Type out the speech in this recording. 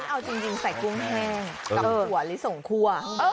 เอาจริงใส่กรุ้งแห้งกลับขัวหรือส่งครัว